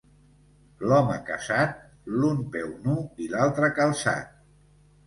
L'home casat, l'un peu nu i l'altre calçat.